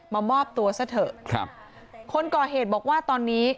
มามอบตัวซะเถอะครับคนก่อเหตุบอกว่าตอนนี้